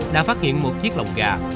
đã phát hiện một chiếc lồng gạ